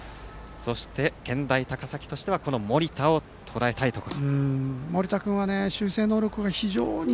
そして健大高崎としてはこの盛田をとらえたいところ。